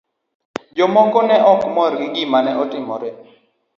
Jomoko ne ok mor gi gima ne otimore.